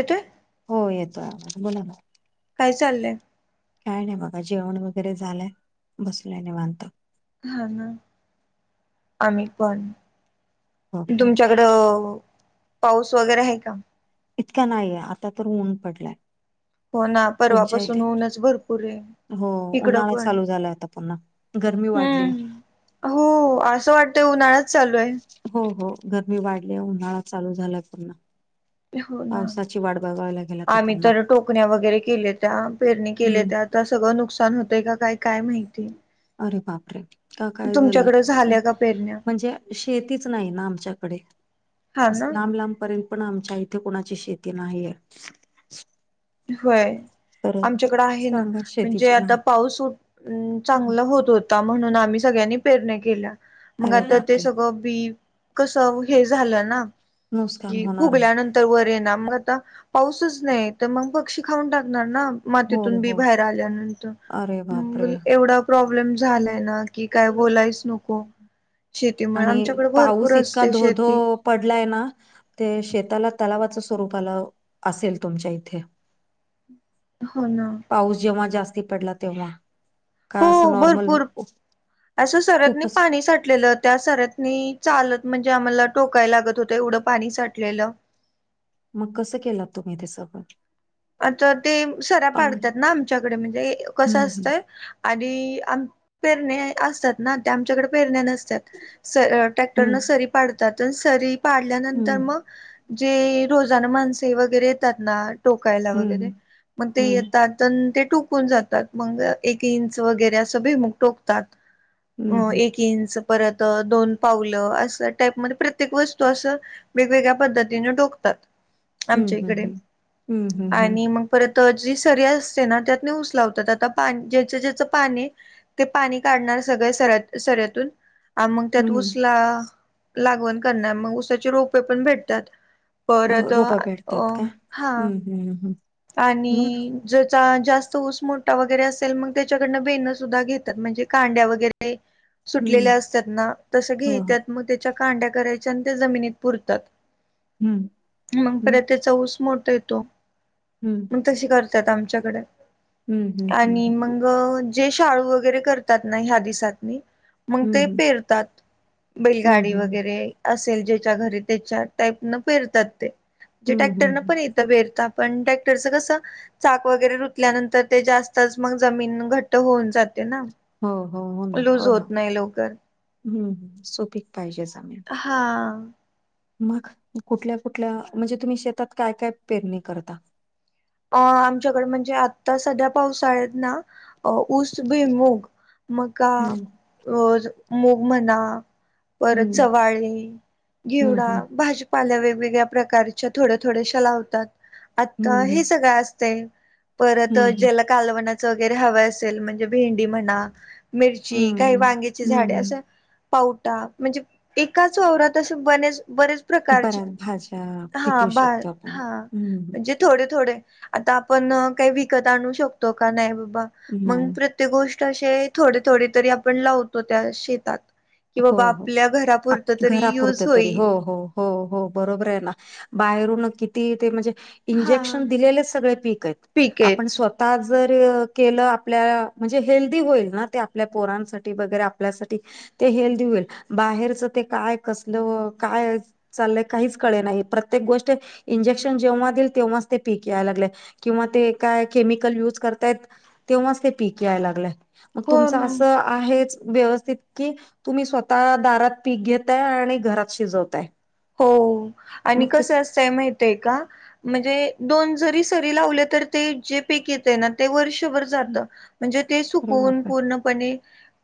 काय ते. हो येतोय, आवाज बोलाना. काय चाललंय. काय नाही बघा, जेवण वगैरे झालंय, बसलोय निवांत. ह ह. आम्ही पण. हो का तुमच्या इकडं, पाऊस वगैरे आहे का? इतक्या नाहीये, आता तर ऊन पडलाय. हो ना, तुमच्या परवापासून इथे ऊनच भरपूरे. हो, उन्हाळा चालू झालाय आता पुन्हा, गरमी वाढलीय. हम्म हो, असं वाटतंय, उन्हाळाच चालूये. हो हो गरमी वाढली उन्हाळा चालू झालाय पूर्ण हो ना लागेल आता आम्ही पुन्हा तर टोकण्या वगैरे केले त्या पेरणी केले हम्म त्या त्या सगळं नुकसान होतंय की काय काय माहिती अरे बापरे का काय झालं तुमच्याकडे झाल्या का पेरण्या म्हणजे शेतीच नाही ना आमच्याकडे हा ना असं लांब लांबपर्यंत पण आमच्या इथे कोणाची शेती नाहीये होय तर आमच्याकडे आहे ना सांगा म्हणजे शेतीची आता माहिती पाऊस हम्म. चांगला होत होत म्हणून आम्ही सगळ्यांनी पेरण्या केल्या मग अरे आता ते बापरे सगळं कसं हे झालं ना नुकसान होणार पुगल्यानंतर तर वर ना मग आता पाऊसच नाही तर मग पक्षी खाऊन टाकणार ना हो, मातीतून बी हो. बाहेर आल्यानंतर अरे बापरे! म एवढा प्रॉब्लेम झालाय ना कि काय बोलायच नको शेतीमुळ.. आणि आमच्याकडे भरपूर पाऊस इतका असते धो-धो शेती पडलाय ना ते शेताला तलावाचं स्वरूप आलं असेल तुमच्या इथे हो ना पाऊस जेव्हा जास्ती पडला तेव्हा हो का असं नॉर्मल भरपूर असं सऱ्यातनी खूपच पाणी साठलेलं त्या सऱ्यात नी चालत म्हणजे आम्हाला टोकाय लागत होत एवढं पाणी साठलेलं मग कसं केलात तुम्ही तेे सगळं आता ते सरा पाणी पाडतात ना आमच्याकडे म्हणजे कसं हं, हं. असतंय आधी पेरण्या असतात ना ते आमच्याकडे पेरण्या नसतात ट्रॅक्टर हं, न सरी पाडतात सरी पाडल्यानंतर हं, मग जे रोजान माणसे वगैरे येतात ना टोकायला वगैरे हं, मग ते हं, येतात ते टोकून जातात मग एक इंच वगैरे असं भुईमूग टोकतात अ हं, हं. एक इंच परत दोन पावलं असं टाईपमध्ये प्रत्येक वस्तू असं वेगवेगळ्या पद्धतीने टोकतात हं, आमच्या हं, इकडे हं. हं, हं, हं. आणि मग परत जी सरी असते ना त्यात नी ऊस लावतात आता पा ज्याचं ज्याचं पाणी ते पाणी काढणार सगळे सर सऱ्यातून मग त्यात हं. ऊसला लागवण करणार मग ऊसाची रोपे पण भेटतात परत अ हा हम्म हम आणि ज्याचा जास्त ऊस मोठा वगैरे असेल मग त्याच्याकडनं बेणं सुद्धा घेतात म्हणजे कांड्या वगैरे हं. सुटलेल्या असतात ना तसं हो, हो. घेेत्यात मग त्याच्या कांड्या करायच्या आणि ते जमिनीत पुरतात हं, मग हं, परत त्याचा ऊस मोठा येतो हम्म मग तशी करतात आमच्याकडे हं, हं, हं, आणि म हं. जे शाळू वगैरे करतात ना ह्या दिसातनी मग हं, ते हं. पेरतात हं, बैलगाडी हं. वगैरे असेल ज्याच्या घरी त्याच्या टाईप न फेरतात हं, तेे टॅक्टर हं, न हं. पण येत पेरता पण टेक तेच कस चाक वगैरे रुतल्यानंतर ते जास्तच मग जमीन घट्ट होऊन जात हो हो हो ना हो ना नाही लवकर हम्म् सुपीक पाहिजे जमीन हां मग कुठल्या कुठल्या म्हणजे तुम्ही शेतात काय काय पेरणी करता अ आमच्याकडे म्हणजे आता सध्या पावसाळ्यात ना ऊस भुईमूग मक्का हं, मूग म्हणा परत हं, चवाळी हं, घेवडा हं, भाजी पालेभाज्या वेगगळ्या प्रकारच्या थोड्या थोड्याशा लावतात आ हं, हं, परत हं, हं, ज्याला कालवनाच वगैरे हवं असेल म्हणजे भेंडी म्हणा मिरची काही हं, वांग्याची हं, झाडे हं. असं. पावटा म्हणजे एकाच ववरवरात असे ब बरेच. प्रकारचे बऱ्याच भाज्या हा पिकवू बा शकतो आपण. हा हं, म्हणजे थोडे थोडे आता आपण काही विकत आणू शकतो का नाही बाबा मग नाही. प्र्य गोष्ट असे थोडे थोडे तरी आपण लावतो त्या शेतात कि हो, बाबा हो. आपल्या आप घरापुरतं तरी युज घरापुरतं तरी होईल. हो हो हो हो बरोबर आहे ना बाहेरून किती ते म्हणजे हा इंजेक्शन दिलेले सगळे पीक आहेत ठीक आहे आपण स्व जर केलं आपल्या म्हणजे हेल्दी होईल ना ते आपल्या पोरांसाठी वगैरे आपल्यासाठी ते हेल्दी होईल बाहेरच ते काय कसलं काय? चाललंय काहीच कळे नाही प्रत्येक गोष्ट इंजेक्शन जेव्हा देईल तेव्हाच ते पीक यायला लागले. किंवा ते काय केमिकल युज करतायत तेव्हाच ते पीक याय लागलेय. मग हो तुमच ना असं आहेच व्यवस्थित कि तुम्ही स्वतः दारात पीक घेताय आणि घरात शिजवताय. हो आणि मग ते कसं असतंय माहित आहे का? म्हणजे दोन जरी सरी लावले तर ते जे पेकी ना ते वर्षभर ज म्हणजे ते अरे सुकून बापरे पूर्णपणे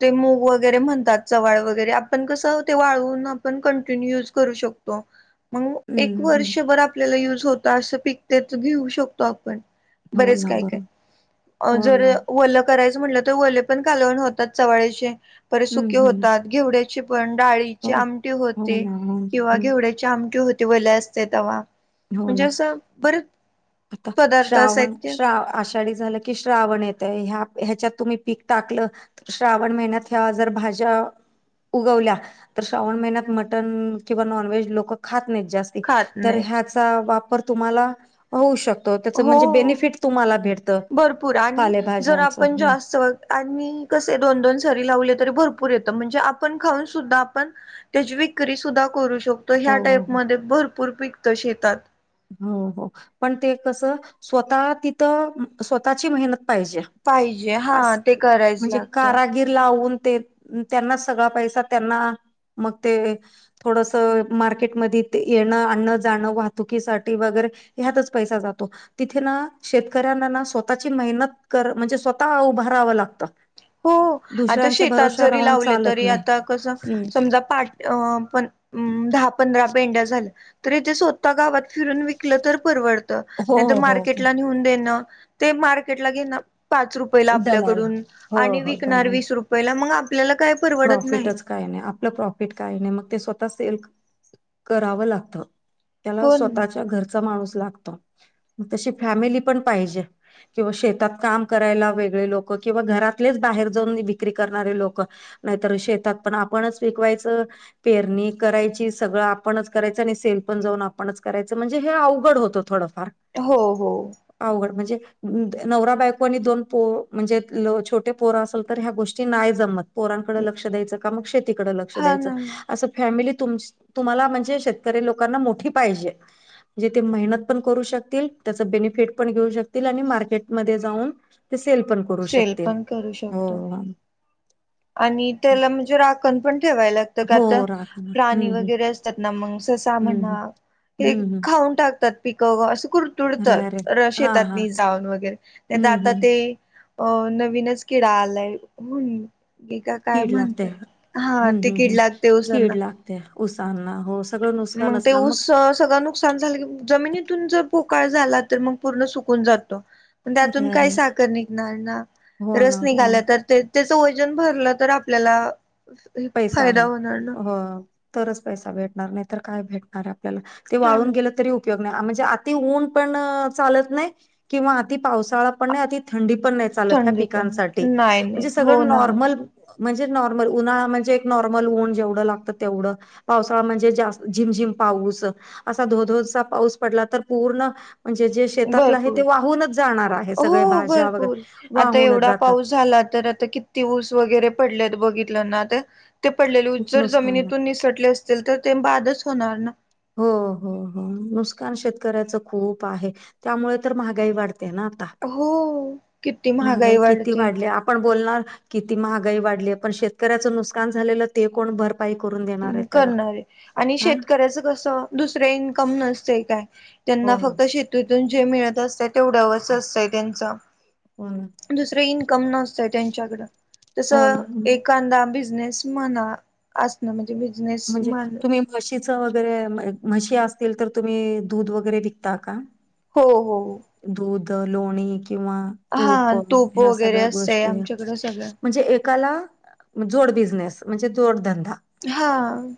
ते मूग वगैरे म्हणतात चवळ वगैरे आपण कसं ते वाळून आपण कंटिन्यू युज करू शकतो. मग एक हम्म हम्म वर्षभर आपल्याला युज होता असं पिकते तर घेऊ शकतो आपण हो बरेच ना काय काय बरोबर हो जर ना करायचं म्हटलं तर वले पण कालवण होतात सवळीचे परे सुके हम्म हम्म होतात. घेवड्याची पण डाळीचे हो आमटी हो होते ना हो ना किंवा हम्म मट होते व असते ते हो म्हणजे ना अस बर. आता श्रावण श्राव झा की श्रावण येत ह ह्याच्यात तुम्ही पीक टाकलं. श्रावण महिन्यात ह्या जर भाज्या उगवल्या तर श्रावण महिन्यात मटण किंवा नॉनव्हेज लोक खात नाहीत जास्त खात नाहीत ह्याचा वापर तुम्हाला होऊ शकतो. त्याच हो म्हणजे बेनिफिट तुम्हाला भेटतं भरपूर आणि जर आपण पालेभाज्यांचं जास्त आणि कसे दोन दोन सरी लावले तरी भरपूर येतं म्हणजे आपण खाऊन सुद्धा आपण त्याची विक्री सुद्धा करू शकतो ह्या हो टाईपमध्ये भरपूर पिकतं शेतात हो हो पण ते कस स्वतः तिथं स्वतःची मेहनत म्हण. पाहिजे हा ते करायच लागतं लावून ते त्यांनाच सगळा पैसा त्यांना मग ते थोडस मार्केटमध्ये येणं आणण जाणं वा. दुखीसाठी वगैरे ह्यातच पैसा जातो. तिथे ना शेतकऱ्यांना ना स्वतःची मेहनत कर म्हणजे स्वतः उभारहावं लागतं. हो आता दुसऱ्यांच्या शेतात भरोश्यावर जरी राहून लावलं चालत तरी नाही आता कसं हम्म. समजा पा अ पण दहा पंधरा पेंड्या झालं. तर इथे स्वतः गावात फिरून विकलं तर परवडतं. हो हो हो म आपल्याड दलाल हो हो व दलाल व रुपला आपल्याला काय? परवडत नाही प्रॉफिटच काय नाही आपलं प्रॉफिट काय नाही मग ते स्वतः सेल करावं लागतं. त्याला हो न, स्वतःच्या घरचा माणूस लागतो तशी फॅमिली पण पाहिजे. किंवा शेतात काम करायला वेगळे लोक किंवा घरातलेच बाहेर जाऊन विक्री करणारे लोक नाहीतर शेतात पण आपणच पिकवायचं. पेरणी करायची सगळं आपणच करायचं आणि सेल पण जाऊन आपणच करायचं म्हणजे हे अवघड होत हो. थोडा फर्क हो हो. आवड म्हणजे नवरा बायको आणि दोन पो म्हणजे छोटे पोर असेल तर ह्या गोष्टी नाही जमत पोरां लक्ष द्यायच का मग शेतीकडे लक्ष हा द्यायचं ना अस फॅमिली तुम्हाला म्हणजे शेतकरी लोकांना मोठी पाहिजे जे ते मेहनत पण करू शकतील त्याच बेनिफिट पण घेऊ शकतील आणि मार्केटमध्ये जाऊन ते सेल पण करू सेल शकतील पण करू हो शकतो आणि त्याला म्हणजे राखण पण ठेवाय लागते का हो आता राखण हम्म प्राणी हम्म वगैरे असतात ना मग ससा हम्म म्हणा ते हम्म हम्म खाऊन टाकतात पिक असं कु अरे अरे तुडतात हा शेतात हा जाऊन वगैरे नाही तर हम्म आता हम्म ते अ नवीनच किडा आलाय होून का काय कीड लागते म्हणत हा तिकीट लागते उसांना ते उसना हो सगळं मग नुकसानच ते ना ऊस सगळं नुकसान झालं की जमिनीतून जर पोकाळ झाला तर मग पूर्ण सुकून जातो पण अरे त्यातून अरे काय अरे साखर निघणार ना हो ना रस हो ना निघाला तर ते त्याचं वजन भरलं तर आपल्याला पैसा फायदा आहे होणार ना हो तरच पैसा भेटणार नाही तर काय भेटणार आपल्याला ते छान वाळून आहे. गेलं तरी म्हणजे आ ऊन पण चालत नाही किंवा पावसाळा आपण नाही थंडी पण नाही चालत ह्या थंडी पण पिकांसाठी नाही नाही म्हणजे हो सगळं ना नॉर्मल म्हणजे नॉर्मल उन्हाळा म्हज े नॉर्मल ऊन जेवढ लागत तेवढं पावसाळ म्हणजे झिमझिम पाऊस असा धोधोचा पाऊस पडला तर पूर्ण म्हणजे जे शेतातलं आहे भरपूर ते वाहूनच जाणार आहे सगळे हो भाज्या भरपूर वगैरे आता वाहूनच एवढा जातात पाऊस झाला तर आता क त ऊस वगैरे पडले बघितलं ना ते पडले ऊस खूप जर नुकसान आहे. जमिनीतून निसटले अस असल तर ते बादच होणार ना हो हो हो नुसकान शेतकऱ्याच खूप आहे त्यामुळे तर महागाई वाढते ना आता हो किती महागाई वाढते पण बोलणार किती महागाई वाढली पण शेतकऱ्याचं नुस्कान झालेलं ते कोण भर पाई करून देणा करणारे आणि शेतकऱ्याच कसं दुसरं इन्कम नसतय काय त्यांना हो ना, फक्त शेतीतून जे मिळत असत तेवढ्यावरच असतय त्यांच हो ना दुसरं इन्कम नसतय त्यांच्याकड हो ना. तसं एखादा बिझनेस म्हणा असणं म्हणजे बिझनेस म्हणजे तुम्ही माणूस म्हशीचं वगैरे म्हशी असतील तर तुम्ही दूध वगैरे विकता का हो हो दूध लोणी किंवा हा तूप ह्या वगैरे सगळ्या असतंय गोष्टी आमच्याकडं सगळं म्हणजे एकाला जोड बिझनेस म्हणजे जोडधंदा हा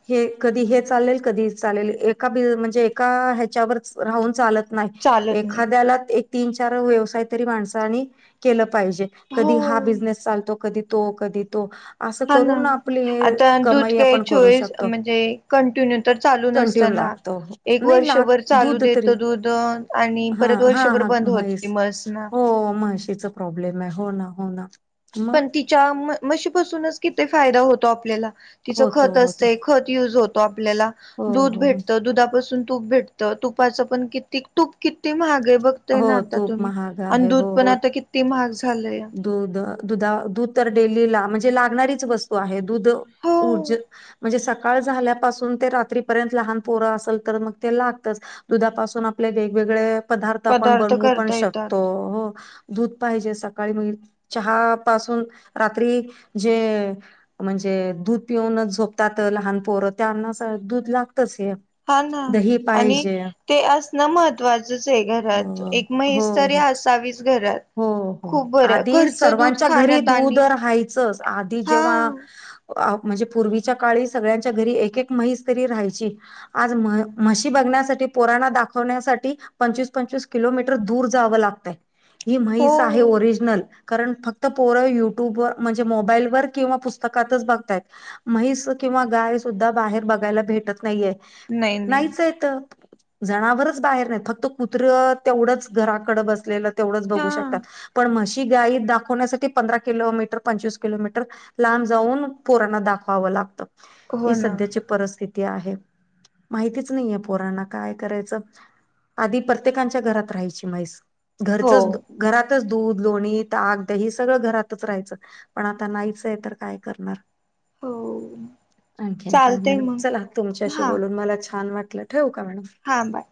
हे कधी हे चालेल कधी चालेल एका बि म्हणजे एका ह्याच्यावरच राहून चालत नाही चालत नाही एखाद्याला एक तीन चार व्यवसाय तरी माणसांनी केलं पाहिजे हो कधी हा बिझनेस चालतो कधी तो कधी तो असं हा ना करून आपली आता दूध कमाई काही आपण करू चोवीस शकतो म्हणजे कंटिन्यू तर चालू नसत कंटिन्यू ना लागतो. एक नाही लाग वर्षभर चालू दूध देत तरी दूध आणि हा परत हा वर्षभर हा बंद होती म्हैस म्हस ना हो म्हशीच प्रॉब्लेम आहे हो ना हो ना मग पण तिच्या म्हशीपासूनच किती फायदा होतो आपल्याला तिचं होतो खत होतो असतंय खत युज होतो आपल्याला हो दूध हो भेटत दुधापासून तूप भेटत तुपाचं पण किती तूप किती महाग आहे बघतय हो ना आता तूप तुम्ही महाग अन् आहे दूध हो पण हो आता कि ती महाग झालंय दूध दुधा दूध तर डेली ला म्हणजे लागणारीच वस्तू हो आहे दूध हो ऊर्ज म्हणजे सकाळ झाल्यापासून ते रात्रीपर्यंत लहान पोरं असेल तर मग ते लागतच दुधापासून आपले वेगवेगळे पदार्थ आपण बनवू पण करता येतात शकतो हो दूध पाहिजे सकाळी म्ह चहा पासून रात्री जे म्हणजे दूध पिऊनच झोपतात लहान पोरं त्यांना दूध लागतच हे हा ना दही आणि पाहिजे ते असणं महत्त्वाचच आहे घरात हो एक हो म्हैस तरी हो असावीच घरात हो हो खूप बरं आधी घरचं दूध सर्वांच्या घरी खाण्यात दूध आणि राहायचंच आधी हा जेव्हा अ म्हणजे पूर्वीच्या काळी सगळ्यांच्या घरी एक एक म्हैस तरी राहायची आज म म्हशी बघण्यासाठी पोरांना दाखवण्यासाठी पंचवीस पंचवीस किलोमीटर दूर जावं लागतय ही म्हैस हो आहे ओरिज कारण फक्त पोर युट्यूब व म्हणजे मोबाईल वर किंवा पुस्तकातच बघतायत म्हैस किंवा गाय सुद्धा बाहेर बघायला भेटत नाहीये नाही नाही नाहीच आहे त जनावरचं बाहेर नाहीत फक्त कुत्र तेवढंच घराकडं बसलेलं तेवढंच बघू हा शकतात पण म्हशी गाई दाखवण्यासाठी पंधरा किलोमीटर पंचवीस किलोमीटर लांब जाऊन पोरांना दाखवावं लागत हो ही ना सध्याची परस्थिती आहे माहितीच नाहीय पोरांना काय करायचं आधी प्रत्येकच्या घरात राहायची म्हैस हो घरच घरातच दूध लोणी ताक दही सगळं घरातच राहायचं पण आता नाहीचं आहे तर काय करणार आणखी काय चालतय म्हणा मग चला तुमच्याशी बोलून मला छान वाटलं ठेऊ का मॅडम हां बाय